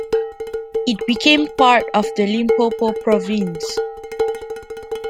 It became part of the Limpopo province.